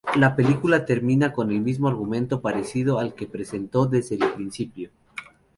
La película termina con el mismo argumento parecido al que presentó desde el principio.